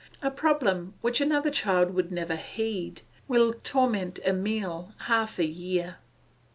A problem which another child would never heed will torment Emile half a year.